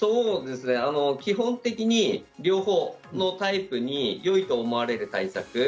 基本的に、両方のタイプによいと思われる対策